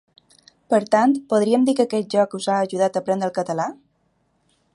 Per tant podríem dir que aquest joc us ha ajudat a aprendre el català?